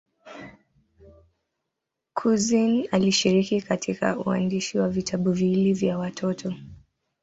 Couzyn alishiriki katika uandishi wa vitabu viwili vya watoto.